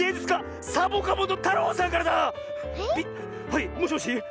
はいもしもし。